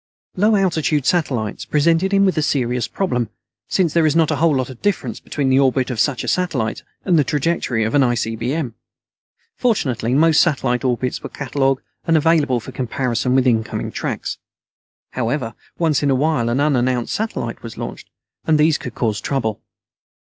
Low altitude satellites presented him with a serious problem, since there is not a whole lot of difference between the orbit of such a satellite and the trajectory of an ICBM. Fortunately most satellite orbits were catalogued and available for comparison with incoming tracks. However, once in a while an unannounced satellite was launched, and these could cause trouble.